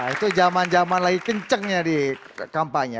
itu zaman zaman lagi kencengnya di kampanye